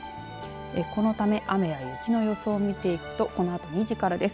このため雨や雪の予想を見ていくとこのあと２時からです。